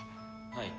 はい。